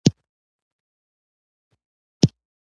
ګلاب د هر عاشق خوب دی.